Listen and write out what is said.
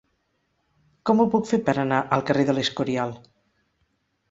Com ho puc fer per anar al carrer de l'Escorial?